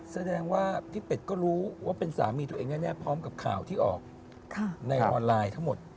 แสดงว่าพี่เป็ดก็รู้ว่าเป็นสามีตัวเองแน่พร้อมกับข่าวที่ออกในออนไลน์ทั้งหมด